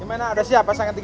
gimana udah siap pasangan tiga